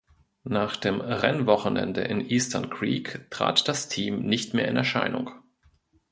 Nach dem Rennwochenende in Eastern Creek trat das Team nicht mehr in Erscheinung.